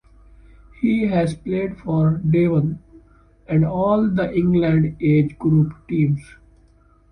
He has played for Devon, and all the England age group teams.